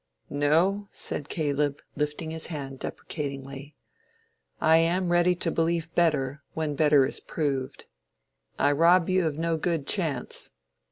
"No," said Caleb, lifting his hand deprecatingly; "I am ready to believe better, when better is proved. I rob you of no good chance.